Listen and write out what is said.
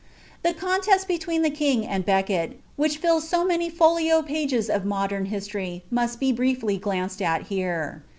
Tlie contest between the king and fieeket, which fills bo matiy folio pages of modem history, must be briefly glanced al here.